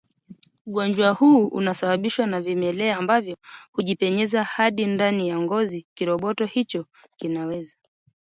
ugonjwa huu Unasababishwa na vimelea ambavyo hujipenyeza hadi ndani ya ngozi Kiroboto hicho kinaweza